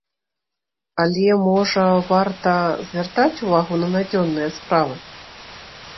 Але, можа, варта, звяртаць увагу на надзённыя справы?